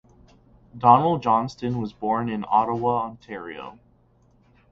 Donald Johnston was born in Ottawa, Ontario.